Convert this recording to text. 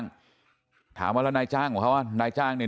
นายจ้างถามว่านายจ้างของเขาว่านายจ้างเนี่ย